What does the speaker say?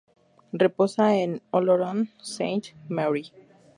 Reposa en Oloron-Sainte-Marie.